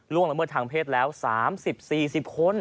ล่วงละเมื่อทางเพศแล้ว๓๐๔๐คน